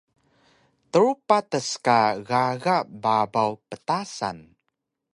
Tru patas ka gaga babaw ptasan